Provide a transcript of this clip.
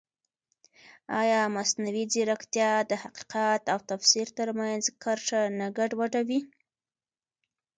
ایا مصنوعي ځیرکتیا د حقیقت او تفسیر ترمنځ کرښه نه ګډوډوي؟